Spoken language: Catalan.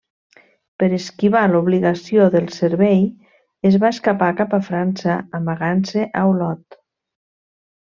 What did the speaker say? Per esquivar l’obligació del servei es va escapar cap a França amagant-se a Olot.